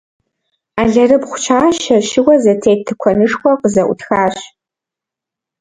Алэрыбгъу щащэ, щыуэ зэтет тыкуэнышхуэ къызэӏутхащ.